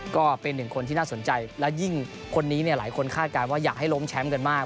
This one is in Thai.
ก็เป็นหนึ่งคนที่น่าสนใจและยิ่งคนนี้เนี่ยหลายคนคาดการณ์ว่าอยากให้ล้มแชมป์กันมาก